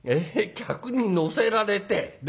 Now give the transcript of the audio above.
客にのせられてね？